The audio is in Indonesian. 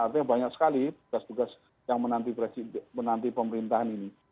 artinya banyak sekali tugas tugas yang menanti pemerintahan ini